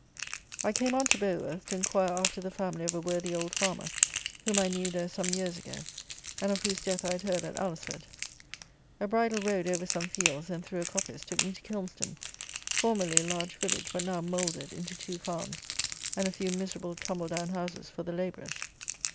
I came on to Beauworth to inquire after the family of a worthy old farmer, whom I knew there some years ago, and of whose death I had heard at Alresford. A bridle road over some fields and through a coppice took me to Kilmston, formerly a large village, but now mouldered into two farms, and a few miserable tumble down houses for the labourers.